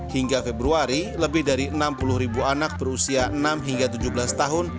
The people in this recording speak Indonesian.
hingga februari lebih dari enam puluh ribu anak berusia enam hingga tujuh belas tahun